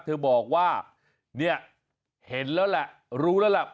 เธอบอกว่าเนี่ยเห็นแล้วแหละรู้แล้วแหละ